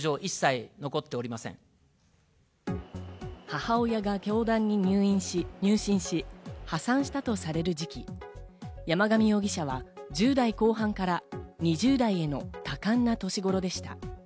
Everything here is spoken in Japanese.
母親が教団に入信し、破産したとされる時期、山上容疑者は１０代後半から２０代での多感な年頃でした。